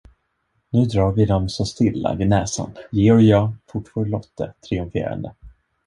Nu drar vi dem så stilla vid näsan, Georg och jag, fortfor Lotte, triumferande.